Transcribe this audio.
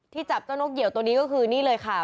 จับเจ้านกเหี่ยวตัวนี้ก็คือนี่เลยค่ะ